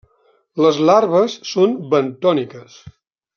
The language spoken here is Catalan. Les larves són bentòniques.